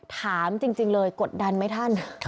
ถามจริงเลยกดดันไหมท่าน